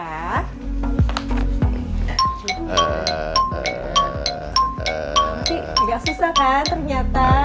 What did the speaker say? nanti nggak susah kan ternyata